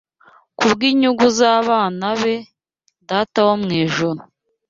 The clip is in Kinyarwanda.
Kubw’inyungu z’abana be, Data wo mu ijuru